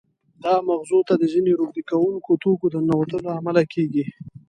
دا مغزو ته د ځینې روږدې کوونکو توکو د ننوتلو له امله کېږي.